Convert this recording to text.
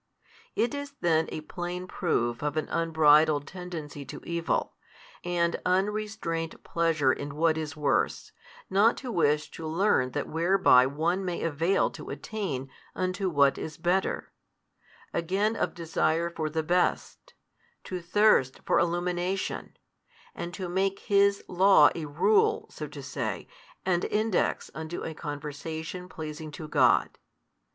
It is then a plain proof of an unbridled tendency to evil, and unrestrained pleasure in what is worse, not to wish to learn that whereby one may avail to attain unto what is better: again of desire for the best, to thirst for illumination, and to make His Law a rule so to say and index unto a conversation pleasing to God.